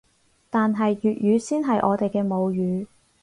但係粵語先係我哋嘅母語